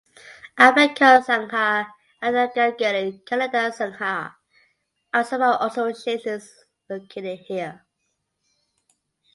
Ambedkar Sangha and Udayagiri Kannada Sangha are some of the associations located here.